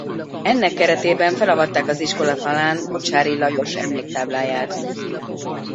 Ennek keretében felavatták az iskola falán Mocsáry Lajos emléktábláját.